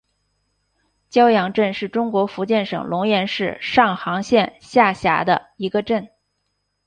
蛟洋镇是中国福建省龙岩市上杭县下辖的一个镇。